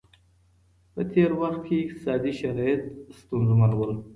په تېر وخت کي اقتصادي شرايط ستونزمن وو.